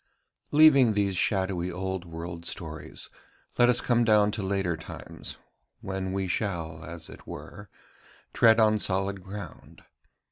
Leaving these shadowy old world stories, let us come down to later times, when we shall, as it were, tread on solid ground.